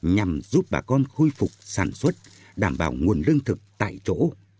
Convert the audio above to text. nhằm giúp bà con khôi phục sản xuất đảm bảo nguồn lương thực tại chỗ